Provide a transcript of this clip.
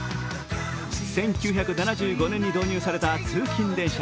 １９７５年に導入された通勤電車。